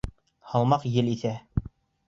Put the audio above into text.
Һалмаҡ ел иҫә.